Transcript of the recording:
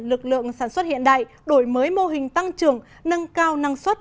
lực lượng sản xuất hiện đại đổi mới mô hình tăng trưởng nâng cao năng suất